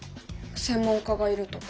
専門家がいるとか？